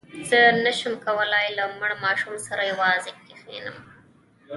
زه نه شم کولای له مړ ماشوم سره یوازې کښېنم.